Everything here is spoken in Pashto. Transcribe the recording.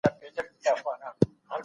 موږ باید د رڼا او پوهې په لور ولاړ شو.